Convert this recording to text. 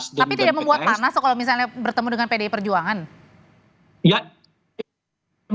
tapi tidak membuat panas kalau misalnya bertemu dengan pdi perjuangan